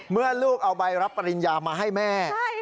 เมื่อลูกเอาใบรับปริญญามาให้แม่